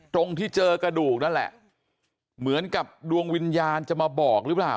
ตรงที่เจอกระดูกนั่นแหละเหมือนกับดวงวิญญาณจะมาบอกหรือเปล่า